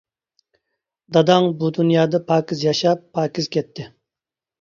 داداڭ بۇ دۇنيادا پاكىز ياشاپ، پاكىز كەتتى.